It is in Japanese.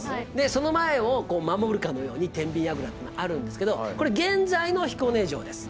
その前をこう守るかのように天秤櫓っていうのあるんですけどこれ現在の彦根城です。